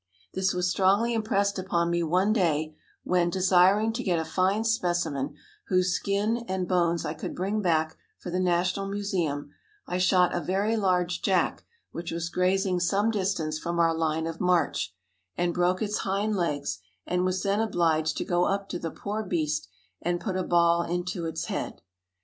This was strongly impressed upon me one day when, desiring to get a fine specimen, whose skin and bones I could bring back for the National Museum, I shot a very large jack which was grazing some distance from our line of march, and broke its hind legs, and was then obliged to go up to the poor beast and put a ball into its head.